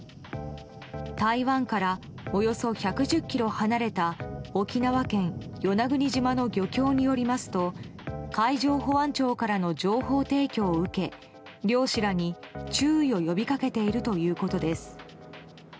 台湾からおよそ１１０ｋｍ離れた沖縄県与那国島の漁協によりますと海上保安庁からの情報提供を受け漁師らに注意を呼びかけているということです。